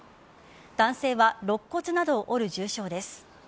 男性は肋骨などを折る重傷です。